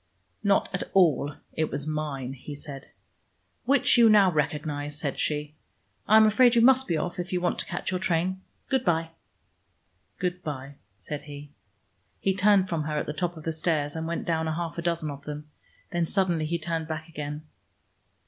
"Not at all: it was mine," he said. "Which you now recognize," said she. "I am afraid you must be off, if you want to catch your train. Good by." "Good by," said he. He turned from her at the top of the stairs, and went down a half dozen of them. Then suddenly he turned back again.